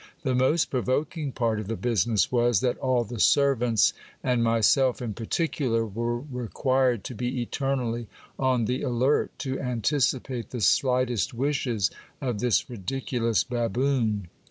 The most provoking part of the business was, that all the servants, and myself in particular, were required to be eternally on the alert, to anticipate the slightest wishes of this ridiculous baboon.